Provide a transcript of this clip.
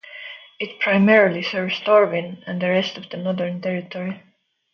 It primarily serves Darwin and the rest of the Northern Territory.